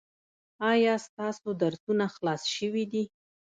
ایا ستاسو درسونه خلاص شوي دي؟